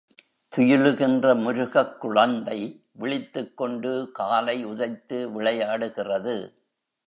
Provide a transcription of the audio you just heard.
துயிலுகின்ற முருகக் குழந்தை விழித்துக் கொண்டு காலை உதைத்து விளையாடுகிறது.